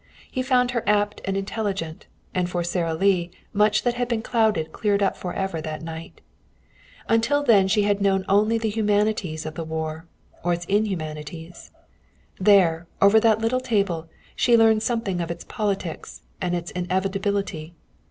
He found her apt and intelligent, and for Sara Lee much that had been clouded cleared up forever that night. Until then she had known only the humanities of the war, or its inhumanities. There, over that little table, she learned something of its politics and its inevitability.